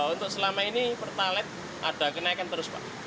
untuk selama ini pertalite ada kenaikan terus pak